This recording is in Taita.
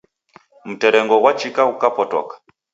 Mterengo gwachika ghukapotoka